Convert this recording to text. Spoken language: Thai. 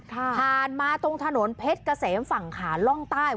ผ่านมาตรงถนนเพชรเกษมฝั่งขาล่องใต้